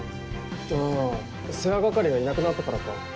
ああ世話係がいなくなったからか。